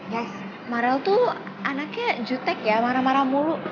yes marel tuh anaknya jutek ya marah marah mulu